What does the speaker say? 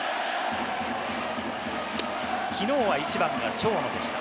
きのうは１番が長野でした。